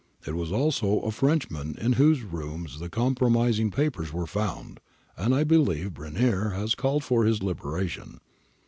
It was also a Frenchman in whose rooms the compromising papers were found, and I believe Brenier has called for his liberation.